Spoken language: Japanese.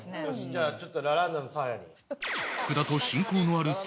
じゃあちょっとラランドのサーヤに。